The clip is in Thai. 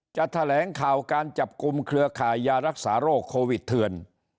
แถลงข่าวการจับกลุ่มเครือข่ายยารักษาโรคโควิดเถื่อน